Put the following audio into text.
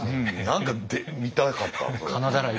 何か見たかったそれ。